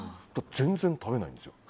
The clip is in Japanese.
全然食べないんですよ。